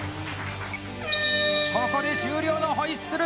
ここで終了のホイッスル！